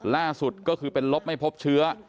ล่าสุดก็คือเป็นลบไม่พบเชื้อ